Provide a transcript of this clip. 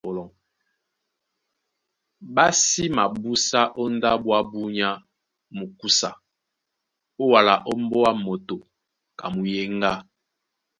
Ɓá sí mabúsá ó ndáɓo ábū nyá mukúsa wala ó mbóá moto ka muyéŋgá.